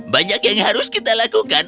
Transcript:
banyak yang harus kita lakukan